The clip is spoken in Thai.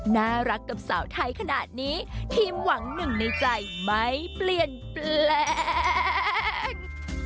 น่ารักกับสาวไทยขนาดนี้ทีมหวังหนึ่งในใจไม่เปลี่ยนแปลง